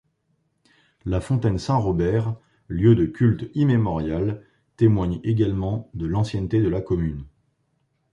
La fontaine Saint-Robert, lieu de culte immémorial, témoigne également de l'ancienneté de la commune.